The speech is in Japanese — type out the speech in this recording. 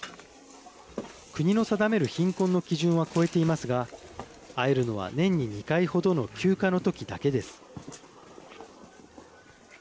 国の定める貧困の基準は超えていますが会えるのは年に２回ほどの休暇のときだけです。